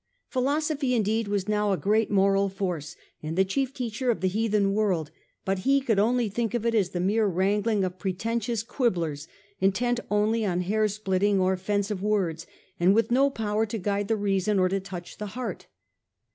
Philosophy indeed was now a great moral force, and the chief teacher of the heathen world ; but he could only think of it as the mere wrangling of pre tentious quibblers, intent only on hair splitting or fence of words, and with no power to guide the reason or to . touch the heart.